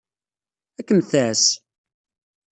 Ad kem-tɛass.